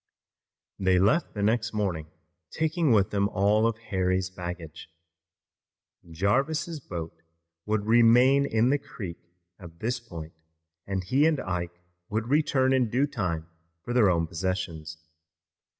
They left the next morning, taking with them all of Harry's baggage. Jarvis' boat would remain in the creek at this point, and he and Ike would return in due time for their own possessions.